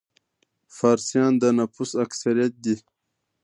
فارسیان د نفوس اکثریت دي.